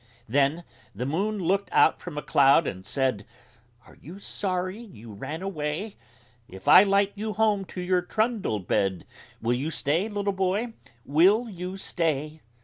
Then the Moon looked out from a cloud and said: "Are you sorry you ran away? If I light you home to your trundle bed, Will you stay, little boy, will you stay?"